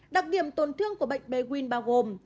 đặc điểm tổn thương của bệnh b quin bao gồm